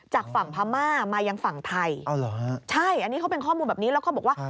จากฝั่งพม่ามายังฝั่งไทยใช่อันนี้เขาเป็นข้อมูลแบบนี้แล้วก็บอกว่า